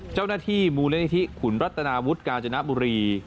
เจ้าหน้าที่มูลนิธิขุนรัตนาวุฒิกาญจนบุรี